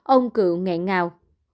ông cựu ngẹn ngào